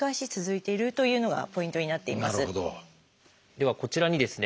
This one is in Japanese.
ではこちらにですね